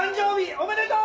おめでとう！